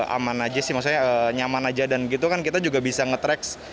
aman aja sih maksudnya nyaman aja dan gitu kan kita juga bisa nge track